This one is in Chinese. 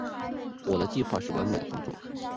我的计划是完美的工作。